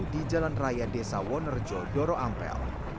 di jalan raya desa wonerjo doroampel